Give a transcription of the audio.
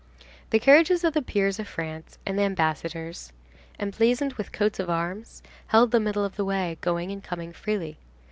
The carriages of the peers of France and of the Ambassadors, emblazoned with coats of arms, held the middle of the way, going and coming freely.